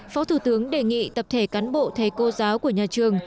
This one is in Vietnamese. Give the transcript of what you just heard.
phó thủ tướng đề nghị tập thể cán bộ thầy cô giáo của nhà trường